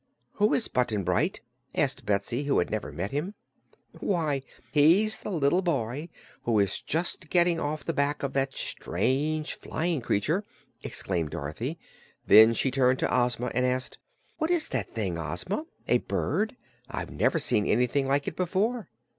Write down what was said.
"Who is Button Bright?" asked Betsy, who had never met him. "Why, he's the little boy who is just getting off the back of that strange flying creature," exclaimed Dorothy. Then she turned to Ozma and asked: "What is that thing, Ozma? A bird? I've never seen anything like it before."